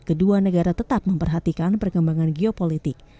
kedua negara tetap memperhatikan perkembangan geopolitik